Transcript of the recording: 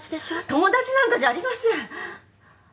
友達なんかじゃありません！